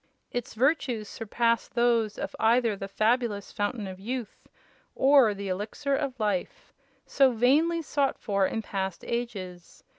Its virtues surpass those of either the fabulous 'Fountain of Youth,' or the 'Elixir of Life,' so vainly sought for in past ages.